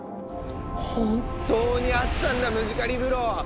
本当にあったんだムジカリブロ！